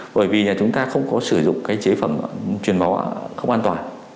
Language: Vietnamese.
bởi vì là chúng ta không có sử dụng cái chế phẩm truyền máu không an toàn